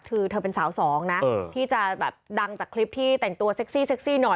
คือเธอเป็นสาวสองนะที่จะแบบดังจากคลิปที่แต่งตัวเซ็กซี่เซ็กซี่หน่อย